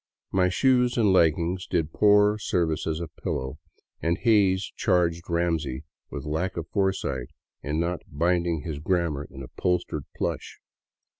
My shoes and leggings did poor service as pillow, and Hays charged Ramsey with lack of foresight in not binding his grammar in upholstered plush.